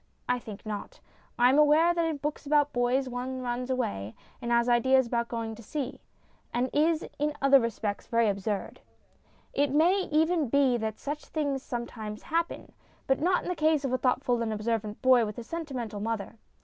I think not. I am aware that in books about boys one runs away, and has ideas about going to sea, and is in other respects very absurd. It may even be that such things some times happen. But not in the case of a thoughtful and observant boy with a sentimental mother.